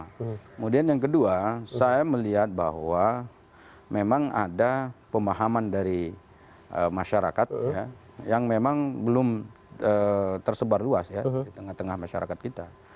kemudian yang kedua saya melihat bahwa memang ada pemahaman dari masyarakat yang memang belum tersebar luas ya di tengah tengah masyarakat kita